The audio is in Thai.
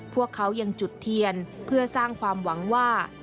พวกเขายังจุดเทียนเพื่อสร้างความหวังว่า